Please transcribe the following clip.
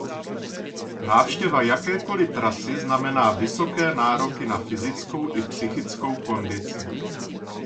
Návštěva jakékoliv trasy znamená vysoké nároky na fyzickou i psychickou kondici.